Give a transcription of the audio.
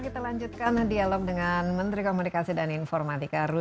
kita lanjutkan dialog dengan menteri komunikasi dan informatika ru